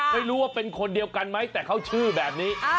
ไม่รู้ว่าเป็นคนเดียวกันไหมแต่เขาชื่อแบบนี้